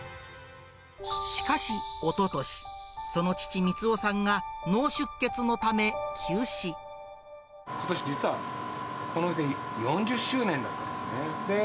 しかし、おととし、その父、ことし、実はこの店、４０周年だったんですよね。